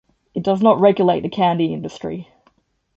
It does not regulate the candy industry.